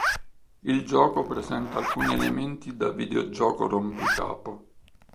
Il gioco presenta alcuni elementi da videogioco rompicapo.